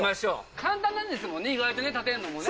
簡単なんですもんね、意外と建てるのもね。